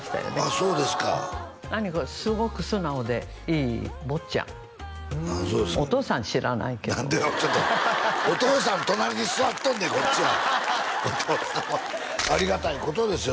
そうですかすごく素直でいい坊ちゃんお父さん知らないけど何でよちょっとお父さん隣に座っとんねんこっちはお父さんはありがたいことですよ